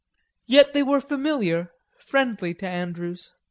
Yet they were familiar, friendly to Andrews.